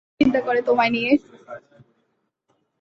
ভাবী অনেক দুশ্চিন্তা করে তোমায় নিয়ে।